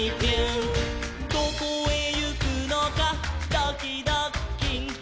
「どこへゆくのかドキドッキン」